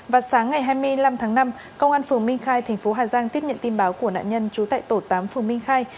vào sáng ngày hai mươi năm tháng năm công an phường minh khai thành phố hà giang tiếp nhận tin báo của nạn nhân trú tại tổ tám phường minh khai